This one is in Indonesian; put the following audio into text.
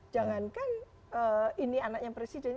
jangankan ini anaknya presiden